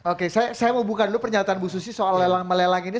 oke saya mau buka dulu pernyataan bu susi soal lelang melelang ini